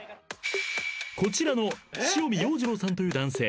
［こちらの塩見要次郎さんという男性］